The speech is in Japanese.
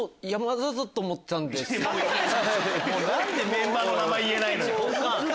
何でメンバーの名前言えないのよ？